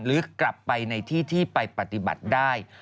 หรือกลับไปในที่ที่ไปปฏิบัติได้